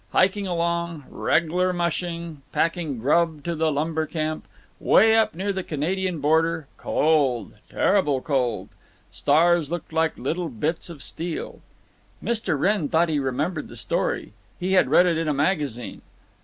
Hiking along—reg'lar mushing—packing grub to the lumber camp. Way up near the Canadian border. Cold, terrible cold. Stars looked like little bits of steel. Mr. Wrenn thought he remembered the story. He had read it in a magazine.